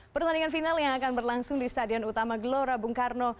pertandingan final yang akan berlangsung di stadion utama gelora bung karno